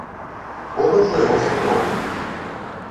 Побач у яго сяброўка.